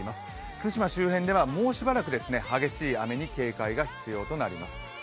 対馬周辺ではもうしばらく激しい雨に警戒が必要となります。